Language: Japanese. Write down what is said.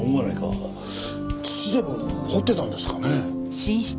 土でも掘ってたんですかね？